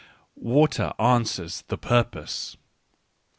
Water answers the purpose.